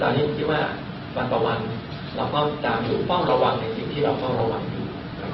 ตอนนี้ผมคิดว่าวันต่อวันเราก็จะอยู่เฝ้าระวังในสิ่งที่เราเฝ้าระวังอยู่